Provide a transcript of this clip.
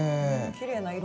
きれいな色。